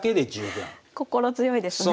心強いですね。